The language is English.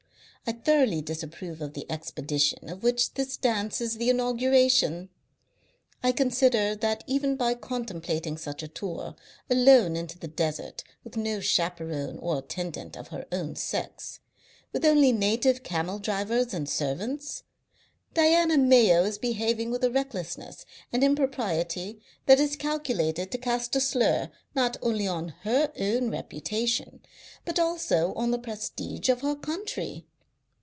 I thoroughly disapprove of the expedition of which this dance is the inauguration. I consider that even by contemplating such a tour alone into the desert with no chaperon or attendant of her own sex, with only native camel drivers and servants, Diana Mayo is behaving with a recklessness and impropriety that is calculated to cast a slur not only on her own reputation, but also on the prestige of her country.